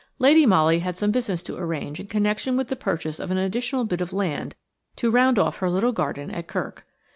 Lady Molly had some business to arrange in connection with the purchase of an additional bit of land to round off her little garden at Kirk.